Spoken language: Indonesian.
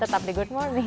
tetap di good morning